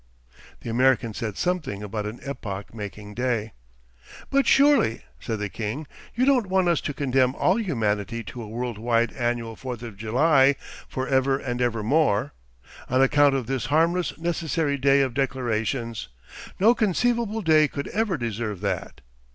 The American said something about an epoch making day. 'But surely,' said the king, 'you don't want us to condemn all humanity to a world wide annual Fourth of July for ever and ever more. On account of this harmless necessary day of declarations. No conceivable day could ever deserve that.